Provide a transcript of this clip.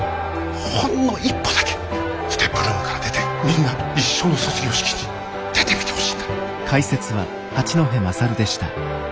ほんの一歩だけＳＴＥＰルームから出てみんなと一緒の卒業式に出てみてほしいんだ。